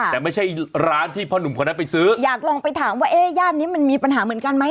แต่ไม่ใช่ร้านที่พ่อหนุ่มคนนั้นไปซื้ออยากลองไปถามว่าเอ๊ะย่านนี้มันมีปัญหาเหมือนกันไหม